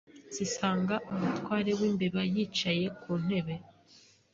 zisanga umutware w'imbeba yicaye ku ntebe